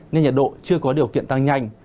nên nhiệt độ chưa có điều kiện tăng nhanh